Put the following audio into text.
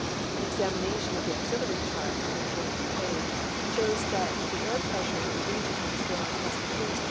An examination of the auxiliary chart on the adjoining page shows that the air pressure in the region of the storm has decreased